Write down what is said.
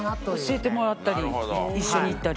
教えてもらったり一緒に行ったり。